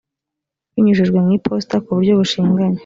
binyujijwe mu iposita ku buryo bushinganye